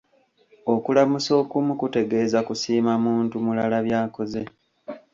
Okulamusa okumu kutegeeza kusiima muntu mulala byakoze.